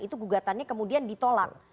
itu gugatannya kemudian ditolak